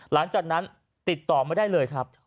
หลังจากนั้นติดต่อไม่ได้เลยครับ